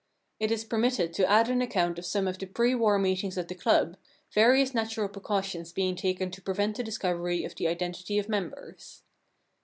It is permitted to add an account of some of the pre war meetings of the club, various natural precautions being taken to prevent the discovery of the identity of members.